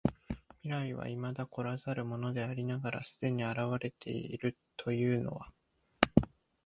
未来は未だ来らざるものでありながら既に現れているというのは、